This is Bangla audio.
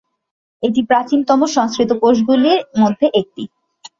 এটি প্রাচীনতম সংস্কৃত কোষগুলির মধ্যে একটি।